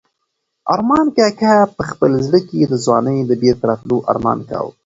ارمان کاکا په خپل زړه کې د ځوانۍ د بېرته راتلو ارمان کاوه.